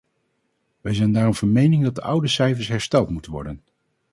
Wij zijn daarom van mening dat de oude cijfers hersteld moeten worden.